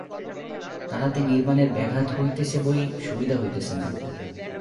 তাহাতে নির্বাণের ব্যাঘাত হইতেছে বই সুবিধা হইতেছে না।